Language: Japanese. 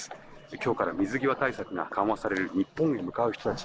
今日から水際対策が緩和される日本へ向かう人たち。